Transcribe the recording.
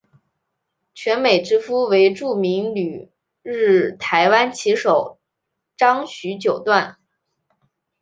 泉美之夫为著名旅日台湾棋手张栩九段。